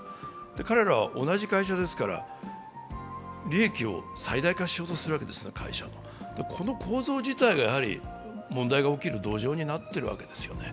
彼らは同じ会社ですから、会社の利益を最大化しようとするわけでこの構造自体が問題が起きる土壌になっているわけですよね。